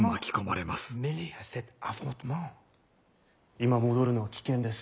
「今戻るのは危険です。